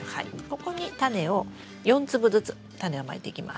ここにタネを４粒ずつタネをまいていきます。